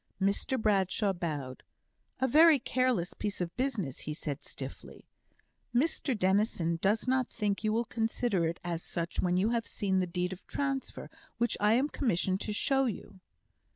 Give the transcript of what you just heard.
Mr Bradshaw bowed. "A very careless piece of business," he said, stiffly. "Mr Dennison does not think you will consider it as such when you have seen the deed of transfer, which I am commissioned to show you."